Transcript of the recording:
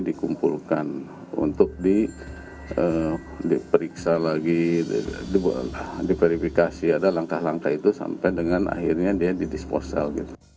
dikumpulkan untuk diperiksa lagi diverifikasi ada langkah langkah itu sampai dengan akhirnya dia didisposal